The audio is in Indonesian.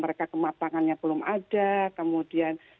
mereka kematangannya belum ada kemudian